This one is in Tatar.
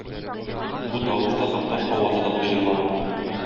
Бу тавышта Такташ авазы да тоемлана.